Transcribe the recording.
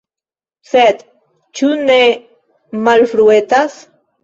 Sed ĉu ne malfruetas?